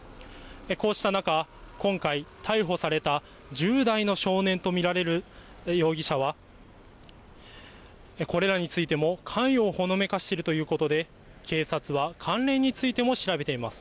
こうした中、今回、逮捕された１０代の少年と見られる容疑者は、これらについても関与をほのめかしているということで、警察は関連についても調べています。